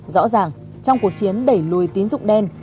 rõ ràng trong cuộc chiến đẩy lùi tín dụng đen